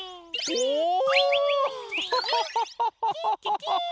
おお。